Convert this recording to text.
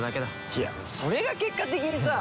いやそれが結果的にさぁ！